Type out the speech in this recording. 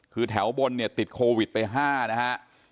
คือแถวบนเนี่ยติดโควิดไป๕นะฮะ